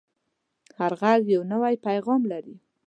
هر غږ یو نوی پیغام لري